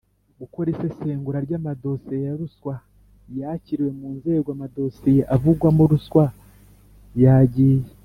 Gukora isesengura ry amadosiye ya ruswa yakiriwe mu nzego amadosiye avugwamo ruswa yagiye